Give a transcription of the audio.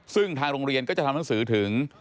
ซึ่งทางโรงเรียนก็จะทำหนังสือถึง